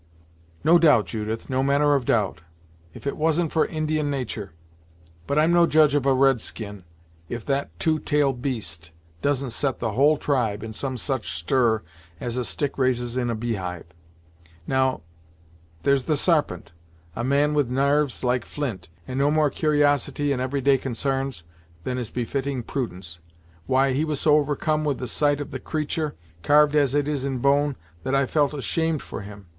"No doubt, Judith; no manner of doubt, if it wasn't for Indian natur'. But I'm no judge of a red skin, if that two tail'd beast doesn't set the whole tribe in some such stir as a stick raises in a beehive! Now, there's the Sarpent; a man with narves like flint, and no more cur'osity in every day consarns than is befitting prudence; why he was so overcome with the sight of the creatur', carved as it is in bone, that I felt ashamed for him!